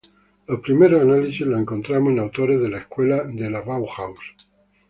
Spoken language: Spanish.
Los primeros análisis los encontramos en autores de la Escuela de la Bauhaus.